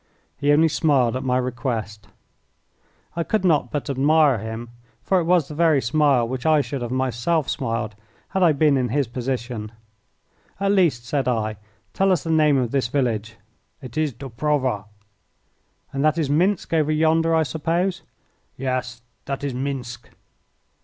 He only smiled at my request. I could not but admire him, for it was the very smile which I should have myself smiled had I been in his position. "At least," said I, "tell us the name of this village." "It is Dobrova." "And that is Minsk over yonder, I suppose." "Yes, that is Minsk."